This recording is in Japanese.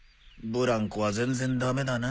ブランコは全然ダメだな。